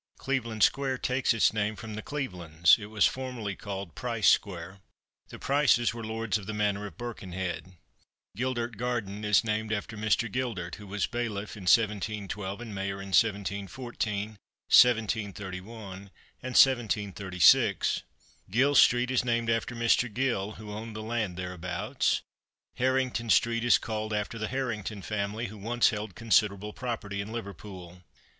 Cleveland square takes its name from the Clevelands; it was formerly called Price square. The Prices were lords of the manor of Birkenhead. Gildart Garden is named after Mr. Gildart, who was bailiff in 1712, and mayor in 1714, 1731, and 1736. Gill street is named after Mr. Gill, who owned the land thereabouts. Harrington street is called after the Harrington family, who once held considerable property in Liverpool.